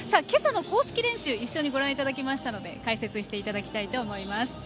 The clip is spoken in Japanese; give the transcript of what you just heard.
今朝の公式練習を一緒にご覧いただきましたので解説していただきたいと思います。